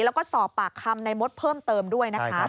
แล้วก็สอบปากคำในมดเพิ่มเติมด้วยนะคะ